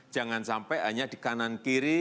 jangan sampai hanya di kanan kiri